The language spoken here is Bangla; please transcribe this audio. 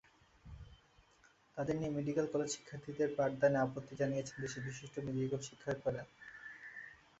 তাঁদের দিয়ে মেডিকেল কলেজ শিক্ষার্থীদের পাঠদানে আপত্তি জানিয়েছেন দেশের বিশিষ্ট মেডিকেল শিক্ষকেরা।